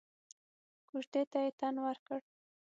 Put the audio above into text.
کوژدې ته يې تن ورکړ.